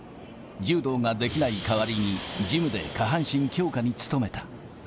柔道ができない代わりに、ジムで下半身強化に努めた。